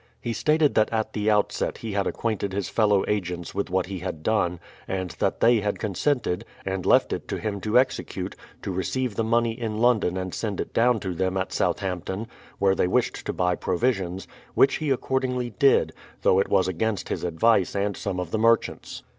He stated that at the outset he had acquainted his fellow agents with what he had done, and that they had con sented, and left it to him to execute, to receive the money in London and send it down to them at Southampton, where THE PLYMOUTH SETTLEMENT 51 they wished to buy provisions; which he accordingly did, though it was against his advice and some of the merchants'.